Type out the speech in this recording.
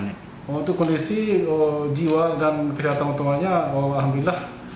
untuk kondisi jiwa dan kesehatan orang tuanya alhamdulillah